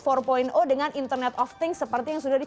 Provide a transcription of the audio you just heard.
apa yang terjadi